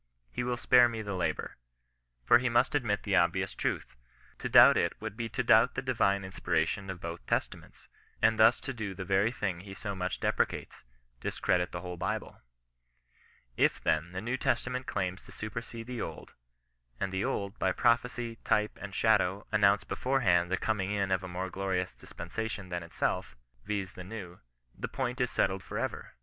He will spare me the labour. For he must admit the obvious truth. To doubt it would be to doubt the divine inspiration of both Testaments, and thus to do the very thing he so much deprecates — dis credit the whole Bible. If, then, the New Testament claims to supersede the Old, and the Old, by prophecy, type, and shadow, announced beforehand the coming in of a more glorious dispensation than itself, viz. the New, the point is settled for ever.